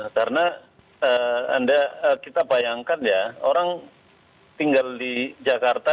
karena anda kita bayangkan ya orang tinggal di jakarta